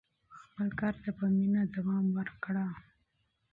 خپل کار ته په مینه دوام ورکړه.